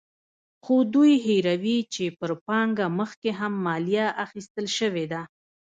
خو دوی هېروي چې پر پانګه مخکې هم مالیه اخیستل شوې ده.